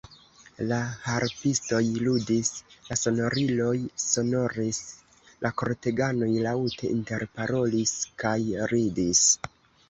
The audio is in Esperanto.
La harpistoj ludis, la sonoriloj sonoris, la korteganoj laŭte interparolis kaj ridis.